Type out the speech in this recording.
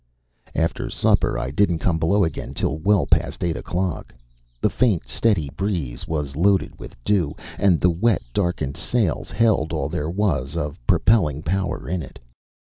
After supper I didn't come below again till well past eight o'clock. The faint, steady breeze was loaded with dew; and the wet, darkened sails held all there was of propelling power in it.